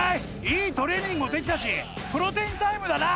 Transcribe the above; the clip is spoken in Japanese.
いいトレーニングもできたしプロテインタイムだな